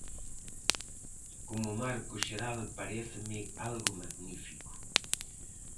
Como marco xeral paréceme algo magnífico.